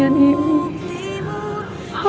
hamba sangat terpukul ya allah